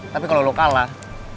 tapi kalau lo kalah